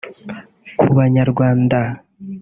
Ku Banyarwanda